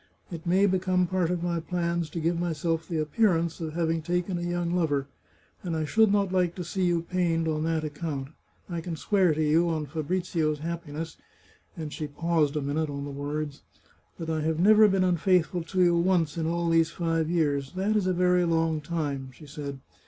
It may become part of my plans to give myself the appearance of having taken a young lover, and I should not like to see you pained on that account. I can swear to you, on Fabrizio's happi ness "— and she paused a minute on the words —" that I have never been unfaithful to you once in all these five years 304 The Chartreuse of Parma — that is a very long time," she said.